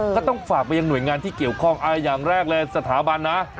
ก็ต้องฝากไปยังหน่วยงานที่เกี่ยวข้องอย่างแรกเลยสถาบันนะ